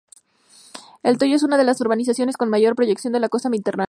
El Toyo es una de las urbanizaciones con mayor proyección de la Costa Mediterránea.